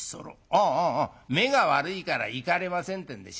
ああああ目が悪いから行かれませんってんで知らしてきたんだ。